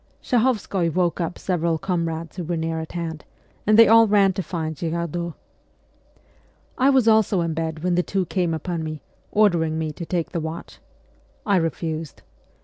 Shahovskoy woke up several comrades who were near at hand, and they all ran to find Girardot. I was also in bed when the two came upon me, ordering me to take the watch. I refused.